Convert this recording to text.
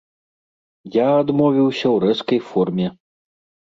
Я адмовіўся ў рэзкай форме.